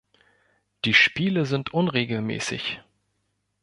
Die Spiele sind unregelmäßig.